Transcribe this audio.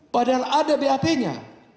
padahal ada bap nya